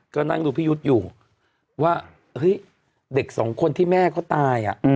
ก็นั่งดูพี่ยุทธ์อยู่ว่าเฮ้ยเด็กสองคนที่แม่เขาตาย